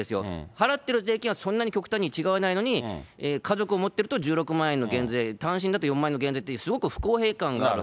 払ってる税金はそんなに極端に違わないのに、家族を持ってると１６万円の減税、単身だと４万円の減税って、すごく不公平感がある。